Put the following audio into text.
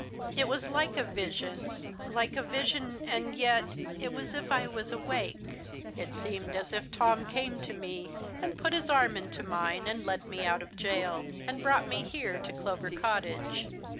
It was like a vision like a vision, and yet it was as if I was awake. It seemed as if Tom came to me, and put his arm into mine, and led me out of gaol, and brought me here to Clover Cottage.